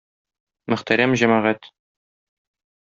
Мөхтәрәм җәмәгать!